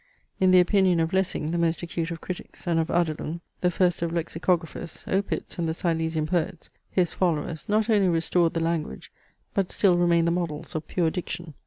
In the opinion of Lessing, the most acute of critics, and of Adelung, the first of Lexicographers, Opitz, and the Silesian poets, his followers, not only restored the language, but still remain the models of pure diction.